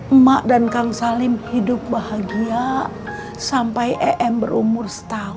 emak dan kang salim hidup bahagia sampai em berumur setahun